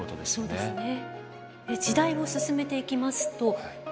そうですね。